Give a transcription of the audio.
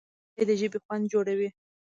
خټکی د ژبې خوند جوړوي.